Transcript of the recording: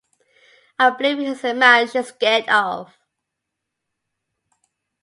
I believe he's the man she's scared of.